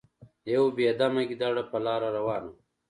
یو بې دمه ګیدړه په لاره روانه وه.